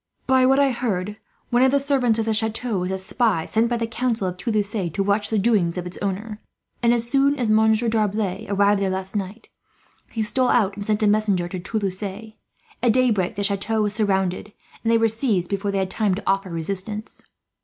By what I heard, one of the servants of the chateau was a spy, set by the council of Toulouse to watch the doings of its owner; and as soon as Monsieur D'Arblay arrived there last night, he stole out and sent a messenger to Toulouse. At daybreak the chateau was surrounded, and they were seized before they had time to offer resistance.